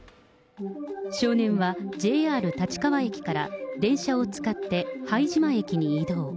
少年は、ＪＲ立川駅から電車を使って拝島駅に移動。